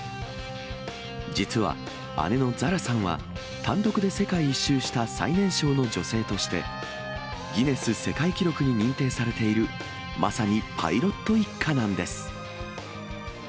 実は、姉のザラさんは、単独で世界一周した最年少の女性として、ギネス世界記録に認定されている、まさにパイロット一家なんです。